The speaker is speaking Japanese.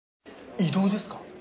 異動ですか？